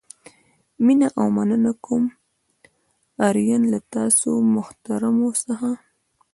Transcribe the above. مینه او مننه کوم آرین له تاسو محترمو څخه.